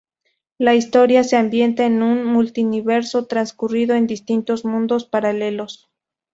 La historia se ambienta en un multiverso, transcurriendo en distintos mundos paralelos.